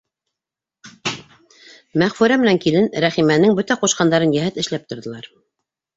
Мәғфүрә менән килен Рәхимәнең бөтә ҡушҡандарын йәһәт эшләп торҙолар.